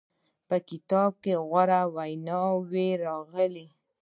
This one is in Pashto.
په کتاب کې غوره ویناوې راغلې.